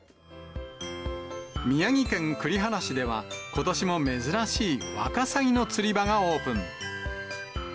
宮城県栗原市では、ことしも珍しいワカサギの釣り場がオープン。